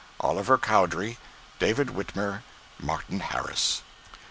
OLIVER COWDERY, DAVID WHITMER, MARTIN HARRIS.